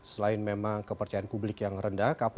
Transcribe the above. selain memang kepercayaan publik yang rendah